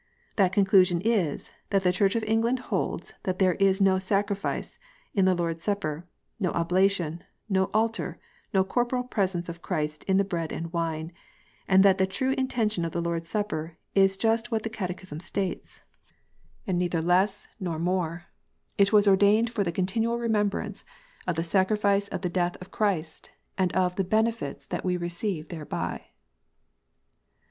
That conclusion is, that the Church of England holds that there is no sacrifice in the Lord s Supper, no oblation, no altar, no corporal presence of Christ in the bread and wine ; and that the true intention of the Lord s Supper is just what the Catechism states, and neither THE LORD S SUPPER. 177 less nor more: "It was ordained for the continual remem brance of the sacrifice of the death of Christ, and of the benefits that we receive thereby."